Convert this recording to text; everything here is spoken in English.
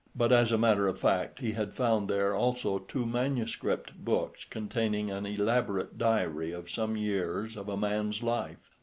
But as a matter of fact, he had found there also two manuscript books containing an elaborate diary of some years of a man's life.